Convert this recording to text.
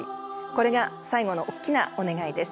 これが最後のおっきなお願いです。